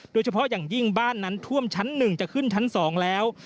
โดยเฉพาะอย่างยิ่งบ้านนั้นท่วมชั้น๑จะขึ้นชั้น๒แล้ว